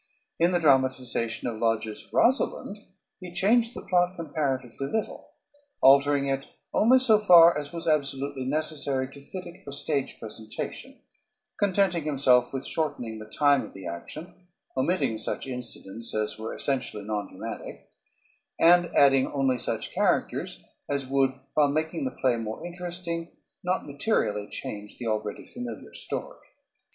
In the dramatization of Lodge's "Rosalynde" he changed the plot comparatively little, altering it only so far as was absolutely necessary to fit it for stage presentation, contenting himself with shortening the time of the action, omitting such incidents as were essentially nondramatic, and adding only such characters as would, while making the play more interesting, not materially change the already familiar story.